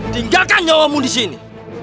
tinggalkan nyawamu di sini